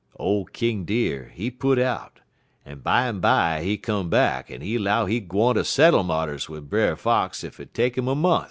Ole King Deer, he put out, en bimeby he come back, en he 'low he gwine ter settle marters wid Brer Fox ef it take 'im a mont'.